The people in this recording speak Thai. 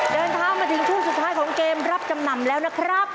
เดินทางมาถึงช่วงสุดท้ายของเกมรับจำนำแล้วนะครับ